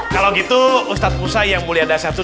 kalau gitu ustaz musa yang mulia dasar itu